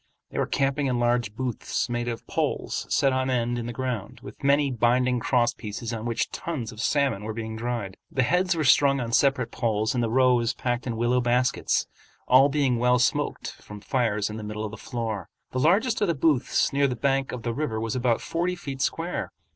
They were camping in large booths made of poles set on end in the ground, with many binding cross pieces on which tons of salmon were being dried. The heads were strung on separate poles and the roes packed in willow baskets, all being well smoked from fires in the middle of the floor. The largest of the booths near the bank of the river was about forty feet square.